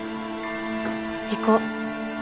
行こう。